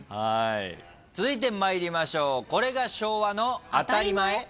続いて参りましょうこれが昭和の当たり前！